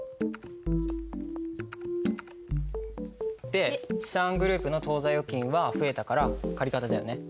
で資産グループの当座預金は増えたから借方だよね。